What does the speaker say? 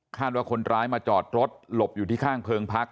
ว่าคนร้ายมาจอดรถหลบอยู่ที่ข้างเพิงพัก